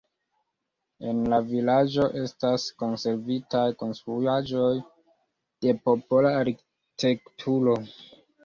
En la vilaĝo estas konservitaj konstruaĵoj de popola arkitekturo.